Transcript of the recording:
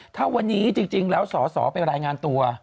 ถ้าวันนี้จริงแล้วสอสอไปรายงานตัว